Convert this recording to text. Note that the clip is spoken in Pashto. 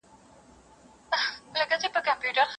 هغوی چي وران کړل کلي ښارونه